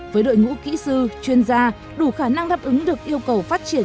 với đội ngũ kỹ sư chuyên gia đủ khả năng đáp ứng được yêu cầu phát triển